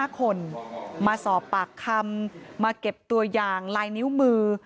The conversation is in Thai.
๕คนมาสอบปากคำมาเก็บตัวอย่างลายนิ้วมือ